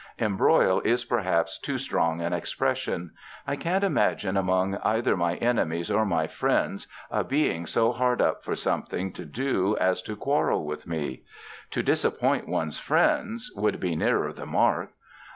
"Embroil" is perhaps too strong an expression. I can't imagine among either my enemies or my friends a being so hard up for something to do as to quarrel with me. "To disappoint one's friends" would be nearer the mark.